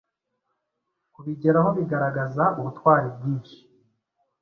kubigeraho bigaragaza ubutwari bwinshi